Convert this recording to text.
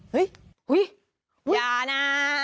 เฮ่ยอย่านะ